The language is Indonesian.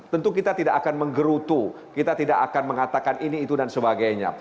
tentu kita tidak akan menggerutu kita tidak akan mengatakan ini itu dan sebagainya